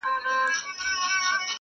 عشق مي ژبه را ګونګۍ کړه,